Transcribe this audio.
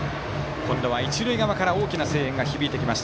今度は一塁側から大きな声援が響いてきます。